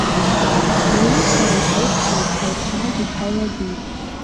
Уии сареи ҳаиқәшәеит, хаицәажәеит, ҳаилаӡеит.